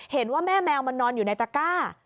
เห็นว่าแม่แมวมันนอนอยู่ในตะก้า